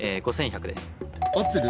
合ってる。